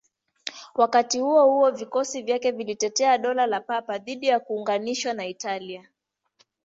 Wakati huo huo, vikosi vyake vilitetea Dola la Papa dhidi ya kuunganishwa na Italia.